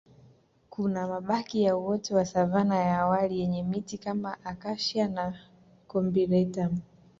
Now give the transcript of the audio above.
Kuna mabaki ya uoto wa savana ya awali yenye miti kama Acacia na Combretum